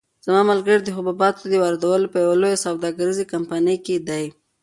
زما ملګری د حبوباتو د واردولو په یوه لویه سوداګریزه کمپنۍ کې دی.